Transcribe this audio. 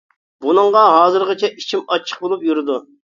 بۇنىڭغا ھازىرغىچە ئىچىم ئاچچىق بولۇپ يۈرىدۇ.